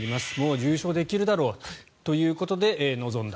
優勝できるだろうということで臨んだ。